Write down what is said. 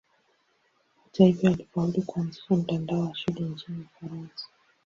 Hata hivyo alifaulu kuanzisha mtandao wa shule nchini Ufaransa.